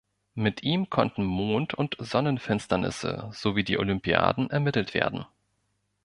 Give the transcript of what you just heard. Mit ihm konnten Mond- und Sonnenfinsternisse sowie die Olympiaden ermittelt werden.